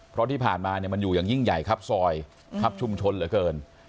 เพราะที่ผ่านมาเนี่ยมันอยู่อย่างยิ่งใหญ่ครับซอยครับชุมชนเหลือเกิน